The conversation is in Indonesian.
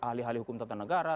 ahli ahli hukum tata negara